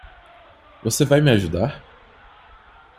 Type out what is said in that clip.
Você vai me ajudar?